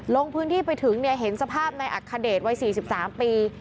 ลงพื้นที่ไปถึงเนี่ยเห็นสภาพในอัคคเดชวัย๔๓ปี